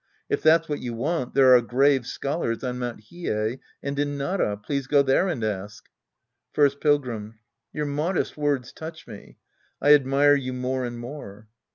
If that's what you want, there are grave scholars on Mt. Hiei and in Nara. Please go there and ask. First Pilgrim. Your modest words touch me. I admire you more and more.